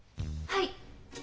はい。